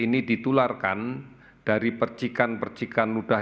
yang digunakan dari pengadilan pemerintah